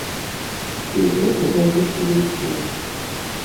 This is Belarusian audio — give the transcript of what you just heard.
І гэта дало свой плён.